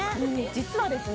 実はですね